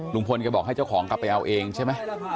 ลุงพลก็บอกให้เจ้าของกลับไปเอาเองใช่ไหม